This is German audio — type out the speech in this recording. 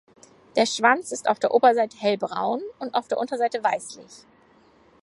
Der Schwanz ist auf der Oberseite hellbraun und auf der Unterseite weißlich.